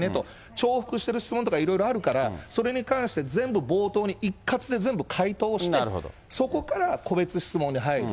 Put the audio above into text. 重複してる質問とかいろいろあるから、それに関して全部冒頭に一括で全部回答して、そこから個別質問に入る。